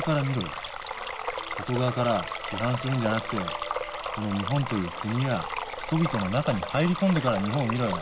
外側から批判するんじゃなくてこの日本という国や人々の中に入り込んでから日本を見ろよ。